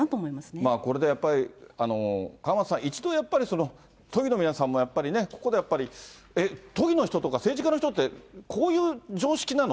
これでやっぱり、川松さん、一度やっぱり、都議の皆さんもやっぱりね、ここでやっぱり、えっ、都議の人とか政治家の人って、こういう常識なの？